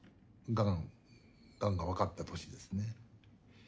がんがんが分かった年ですね。